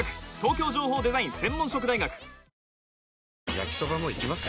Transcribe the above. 焼きソバもいきます？